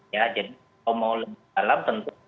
ya jadi kalau mau lebih dalam tentu